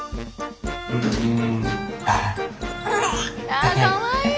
あかわいい！